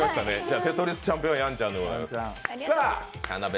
「テトリス」チャンピオンはやんちゃんでございます。